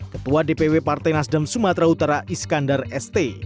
ketua dpw partai nasdem sumatera utara iskandar st